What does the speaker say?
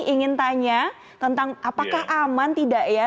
ingin tanya tentang apakah aman tidak ya